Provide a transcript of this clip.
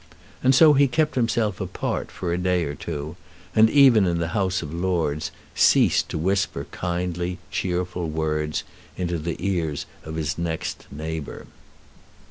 And so he kept himself apart for a day or two, and even in the House of Lords ceased to whisper kindly, cheerful words into the ears of his next neighbour.